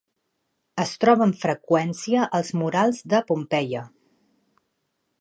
Es troba amb freqüència als murals de Pompeia.